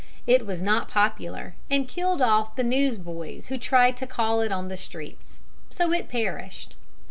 It was not popular, and killed off the news boys who tried to call it on the streets: so it perished.